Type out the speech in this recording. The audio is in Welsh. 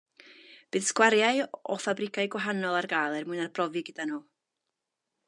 Bydd sgwariau o ffabrigau gwahanol ar gael er mwyn arbrofi gyda nhw